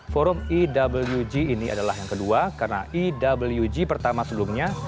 forum ewg ini adalah yang kedua karena ewg pertama sebelumnya